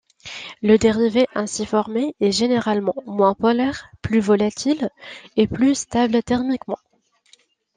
Le dérivé ainsi formé est généralement moins polaire, plus volatil et plus stable thermiquement.